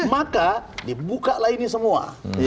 maka dibuka lah ini semua